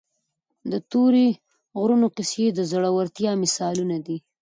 د تورې غرونو کیسې د زړورتیا مثالونه دي.